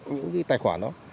những cái tài khoản đó